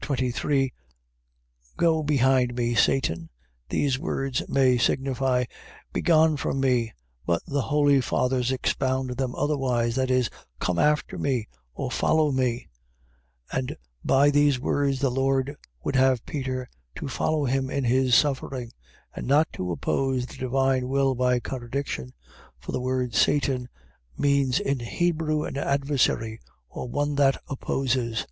23, Go behind me, Satan. These words may signify, Begone from me; but the holy Fathers expound them otherwise, that is, come after me, or follow me; and by these words the Lord would have Peter to follow him in his suffering, and not to oppose the divine will by contradiction; for the word satan means in Hebrew an adversary, or one that opposes.